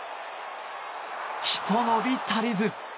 ひと伸び足りず。